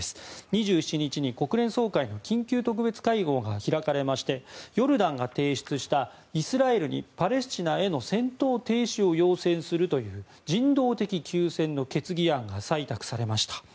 ２７日に国連総会の緊急特別会合が開かれましてヨルダンが提出したイスラエルにパレスチナへの戦闘停止を要請するという人道的休戦の決議案が採択されました。